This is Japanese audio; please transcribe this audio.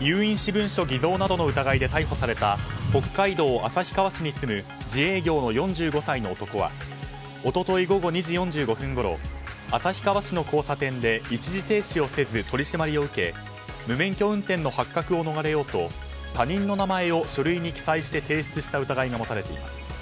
有印私文書偽造などの疑いで逮捕された北海道旭川市に住む自営業の４５歳の男は一昨日午後２時４５分ごろ旭川市の交差点で一時停止をせず取り締まりを受け無免許運転の発覚を逃れようと他人の名前を書類に記載して提出した疑いが持たれています。